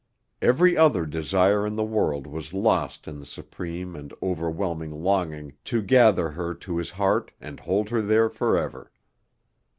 Every other desire in the world was lost in the supreme and overwhelming longing to gather her to his heart and hold her there forever.